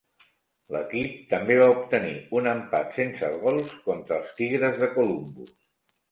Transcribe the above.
L'equip també va obtenir un empat sense gols contra els Tigres de Columbus.